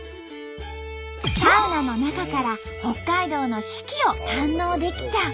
サウナの中から北海道の四季を堪能できちゃう。